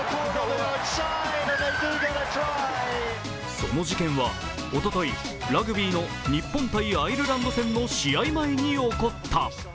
その事件は、おとといラグビーの日本×アイルランド戦の試合前に起こった。